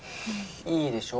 いいでしょ？